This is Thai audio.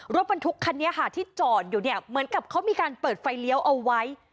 รถบรรทุกคันนี้ค่ะที่จอดอยู่เนี่ยเหมือนกับเขามีการเปิดไฟเลี้ยวเอาไว้